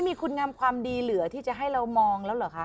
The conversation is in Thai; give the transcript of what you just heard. มีคุณงามความดีเหลือที่จะให้เรามองแล้วเหรอคะ